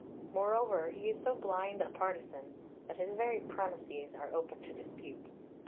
Moreover, he is so blind a partisan that his very premises are open to dispute.